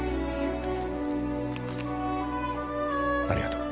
ありがとう。